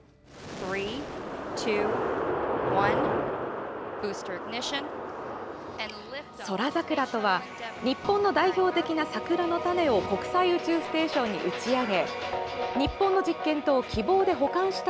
宇宙桜とは日本の代表的な桜の種を国際宇宙ステーションに打ち上げ日本の実験棟「きぼう」で保管した